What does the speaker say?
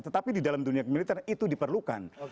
tetapi di dalam dunia militer itu diperlukan